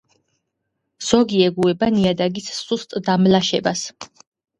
ზოგი ეგუება ნიადაგის სუსტ დამლაშებას.